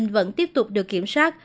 vẫn tiếp tục được kiểm soát